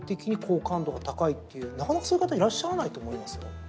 なかなかそういう方いらっしゃらないと思いますよ。